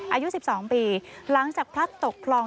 อายุ๑๒ปีหลังจากพลัดตกคลอง